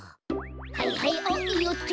はいはいあっよっと。